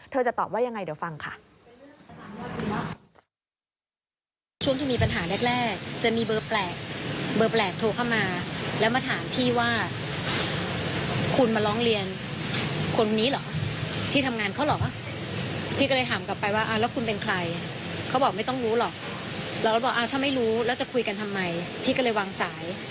จะตอบว่ายังไงเดี๋ยวฟังค่ะ